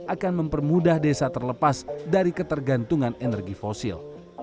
akan mempermudah desa terlepas dari ketergantungan energi fosil